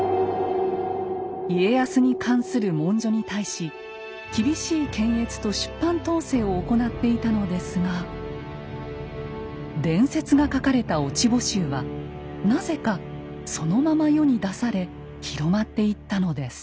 家康に関する文書に対し厳しい検閲と出版統制を行っていたのですが伝説が書かれた「落穂集」はなぜかそのまま世に出され広まっていったのです。